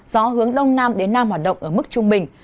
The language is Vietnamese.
gió hướng đông nam đến nam hoạt động ở mức trung bình